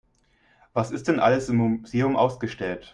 Was ist denn alles im Museum ausgestellt?